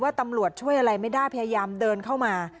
ตำรวจช่วยอะไรไม่ได้พยายามเดินเข้ามา